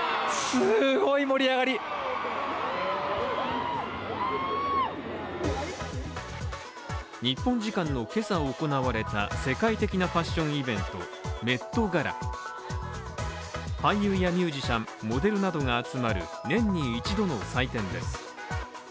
すごい盛り上がり日本時間の今朝行われた世界的なファッションイベントメットガラ俳優やミュージシャン、モデルなどが集まる年に一度の祭典です。